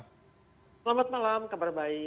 selamat malam kabar baik